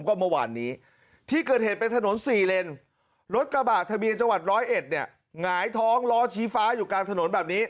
โอ้โหโอ้โหโอ้โหโอ้โหโอ้โหโอ้โหโอ้โหโอ้โห